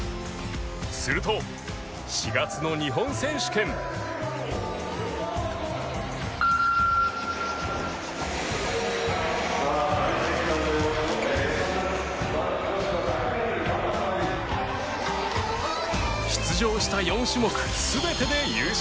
すると４月の日本選手権出場した４種目全てで優勝